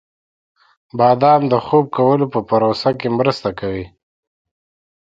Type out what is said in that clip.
• بادام د خوب کولو په پروسه کې مرسته کوي.